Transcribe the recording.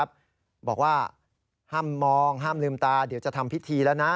บอกว่าห้ามมองห้ามลืมตาเดี๋ยวจะทำพิธีแล้วนะ